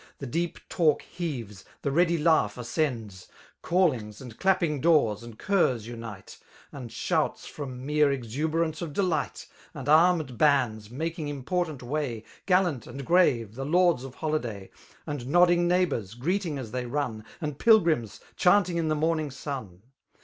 The deep talk heaves, ihe ready laugh ascends; CaUitig9, and clapping doors, and curs unite. And shouts from mere exuberance of delight. And armed bands, making important way. Gallant and grave, the lords of holiday^ And nodding neighbours^ greeting as they run^ And pilgrims^ chanting in the morning sun.